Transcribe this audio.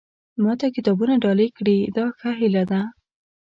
ما ته کتابونه ډالۍ کړي دا ښه هیله ده.